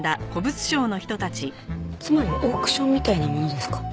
つまりオークションみたいなものですか？